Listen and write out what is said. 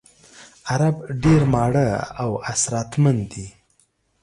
عرب ډېر ماړه او اسراتمن دي.